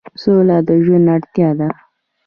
سوله د ژوند اړتیا ده